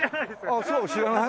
ああそう知らない？